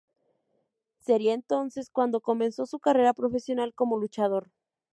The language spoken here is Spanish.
Sería entonces cuando comenzó su carrera profesional como luchador.